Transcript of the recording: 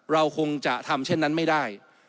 เราคงจะทำเช่นนั้นไม่ได้